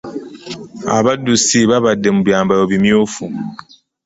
Abaddusi babadde mu byambalo bimyufu.